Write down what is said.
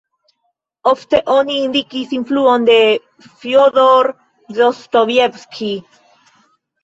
Ofte oni indikis influon de Fjodor Dostojevskij.